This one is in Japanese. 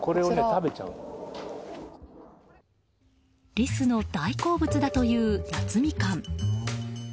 リスの大好物だという夏みかん。